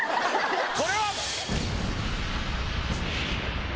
これは？